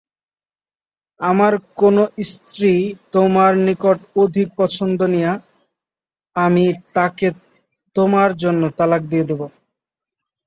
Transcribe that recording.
আমার কোন স্ত্রী তোমার নিকট অধিক পছন্দনীয়া আমি তাকে তোমার জন্য তালাক দিয়ে দিব।